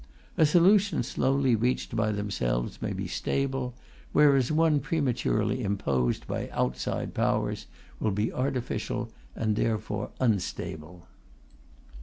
A solution slowly reached by themselves may be stable, whereas one prematurely imposed by outside Powers will be artificial and therefore unstable.